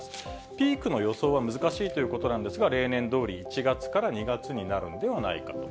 ピークの予想は難しいということなんですが、例年どおり１月から２月になるんではないかと。